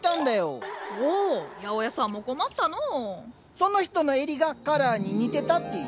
その人の襟がカラーに似てたっていう。